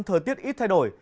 thời tiết ít thay đổi